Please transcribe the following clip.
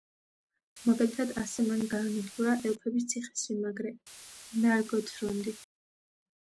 მაგალითად, ასე მან გაანადგურა ელფების ციხესიმაგრე ნარგოთრონდი.